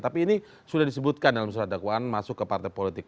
tapi ini sudah disebutkan dalam surat dakwaan masuk ke partai politik